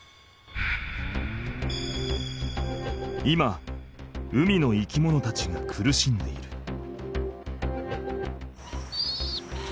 今海の生き物たちが苦しんでいる。